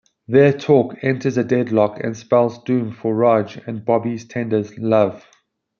Their talk enters a deadlock and spells doom for Raj and Bobby's tender love.